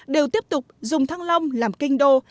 đều tiếp tục dùng thăng long làm kinh đô